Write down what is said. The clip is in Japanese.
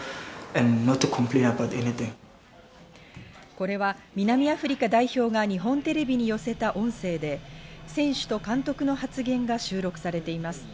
これは南アフリカ代表が日本テレビに寄せた音声で、選手と監督の発言が収録されています。